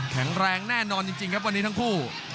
แข็งแรงแน่นอนจริงครับวันนี้ทั้งคู่